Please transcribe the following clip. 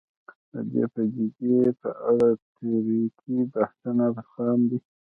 د دې پدیدې په اړه تیوریکي بحثونه خام دي